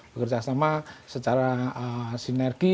bekerja sama secara sinergi